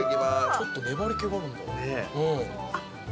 ちょっと粘り気もあるね。